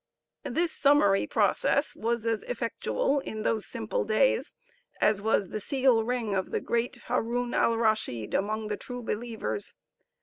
This summary process was as effectual in those simple days as was the seal ring of the great Haroun Alraschid among the true believers.